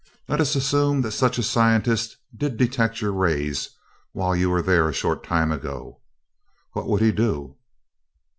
Let us assume that such a scientist did detect your rays while you were there a short time ago. What would he do?"